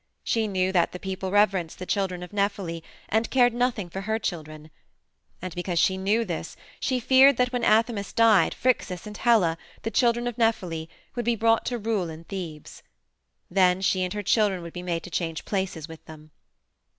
She knew that the people reverenced the children of Nephele and cared nothing for her children. And because she knew this she feared that when Athamas died Phrixus and Helle, the children of Nephele, would be brought to rule in Thebes. Then she and her children would be made to change places with them.